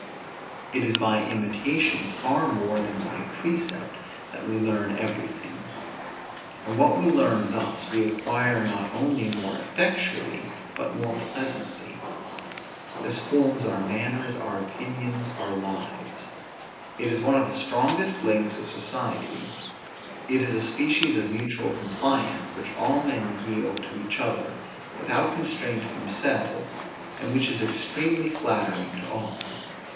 It is by imitation far more than by precept, that we learn everything; and what we learn thus, we acquire not only more effectually, but more pleasantly. This forms our manners, our opinions, our lives. It is one of the strongest links of society; it is a species of mutual compliance, which all men yield to each other, without constraint to themselves, and which is extremely flattering to all.